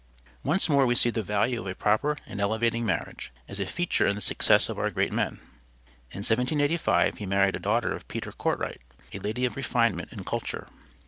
Once more we see the value of a proper and elevating marriage, as a feature in the success of our great men. In 1785 he married a daughter of Peter Kortright, a lady of refinement and culture.